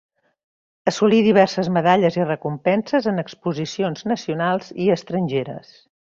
Assolí diverses medalles i recompenses en exposicions nacionals i estrangeres.